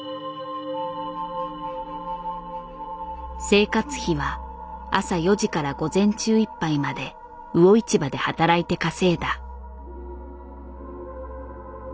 生活費は朝４時から午前中いっぱいまで魚市場で働いて稼いだ。